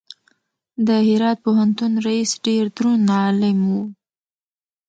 د هرات پوهنتون رئیس ډېر دروند عالم و.